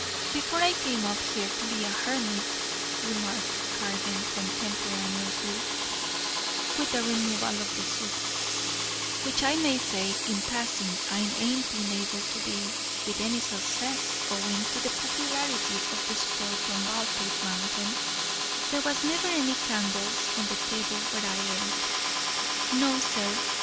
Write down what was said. "Before I came up here to be a hermit," remarked Cargan contemporaneously with the removal of the soup, "which I may say in passing I ain't been able to be with any success owing to the popularity of the sport on Baldpate Mountain, there was never any candles on the table where I et. No, sir.